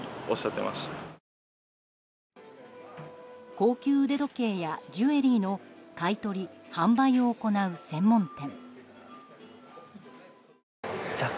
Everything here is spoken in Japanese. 高級腕時計やジュエリーの買い取り・販売を行う専門店。